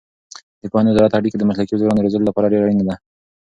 د پوهنې او زراعت اړیکه د مسلکي بزګرانو د روزلو لپاره ډېره اړینه ده.